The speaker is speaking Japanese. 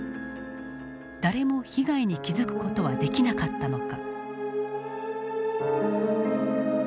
誰も被害に気付く事はできなかったのか。